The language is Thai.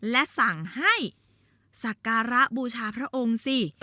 และสั่งให้สักการะบูชาพระองค์สิ